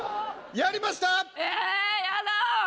やりました！